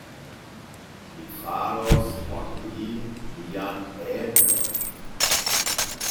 Mi faros por li mian eblon.